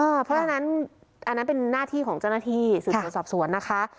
เพราะฉะนั้นอันนั้นเป็นหน้าที่ของเจ้าหน้าที่สืบสวนสอบสวนนะคะ